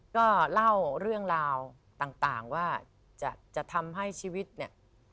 ก็เล่าเรื่องราวต่างว่าจะทำให้ชีวิตเนี่ย